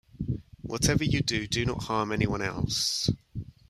Whatever you do, do not harm anyone else.